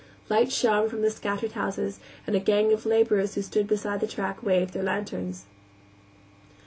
Lights shone from the scattered houses, and a gang of laborers who stood beside the track waved their lanterns.